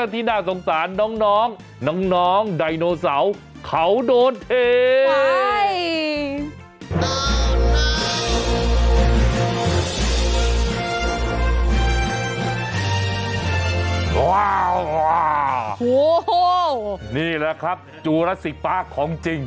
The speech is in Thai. ว้าวโหนี่แหละครับจูรัสสิกปลาของจริง